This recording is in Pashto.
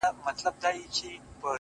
د ژوند د قدر تلاوت به هر سا کښ ته کوم;